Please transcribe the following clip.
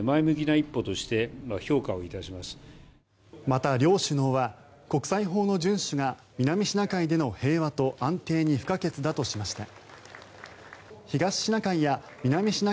また、両首脳は国際法の順守が南シナ海での平和と安定に不可欠だとしました。